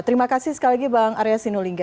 terima kasih sekali lagi bang arya sinulinga